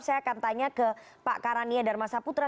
saya akan tanya ke pak karania dharma saputra